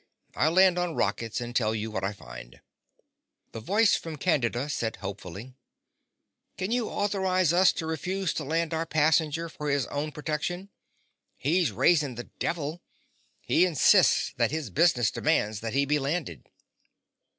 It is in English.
I'll land on rockets and tell you what I find." The voice from the Candida said hopefully: "Can you authorize us to refuse to land our passenger for his own protection? He's raising the devil! He insists that his business demands that he be landed."